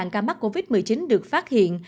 ca mắc covid một mươi chín được phát hiện